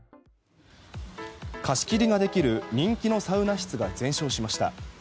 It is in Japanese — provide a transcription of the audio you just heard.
貸し切りができる人気のサウナ室が全焼しました。